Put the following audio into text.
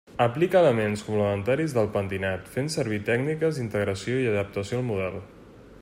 Aplica elements complementaris del pentinat fent servir tècniques d'integració i adaptació al model.